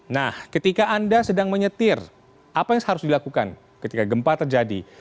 nah ketika anda sedang menyetir apa yang harus dilakukan ketika gempa terjadi